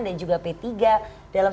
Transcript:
dan juga p tiga dalam